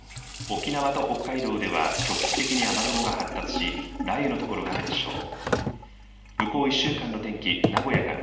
沖縄と北海道では局地的に雨雲が発達し雷雨の所があるでしょう。